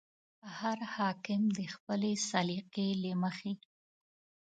هر حاکم د خپلې سلیقې له مخې.